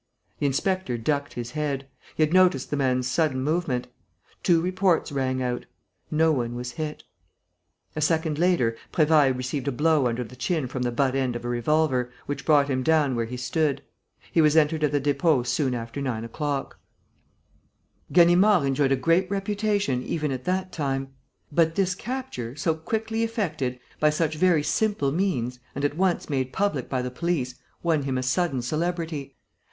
The inspector ducked his head. He had noticed the man's sudden movement. Two reports rang out. No one was hit. A second later, Prévailles received a blow under the chin from the butt end of a revolver, which brought him down where he stood. He was entered at the Dépôt soon after nine o'clock. Ganimard enjoyed a great reputation even at that time. But this capture, so quickly effected, by such very simple means, and at once made public by the police, won him a sudden celebrity.